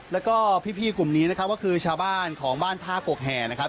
แล้วก็พี่กลุ่มนี้นะครับก็คือชาวบ้านของบ้านท่ากกแห่นะครับ